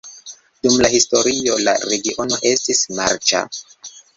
Dum la historio la regiono estis marĉa.